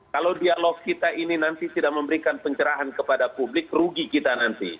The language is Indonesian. kalau dialog kita ini nanti tidak memberikan pencerahan kepada publik rugi kita nanti